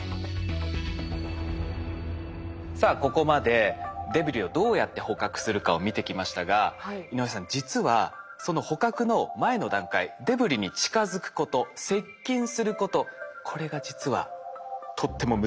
さあここまでデブリをどうやって捕獲するかを見てきましたが井上さん実はその捕獲の前の段階デブリに近づくこと接近することこれが実はとっても難しいんですって。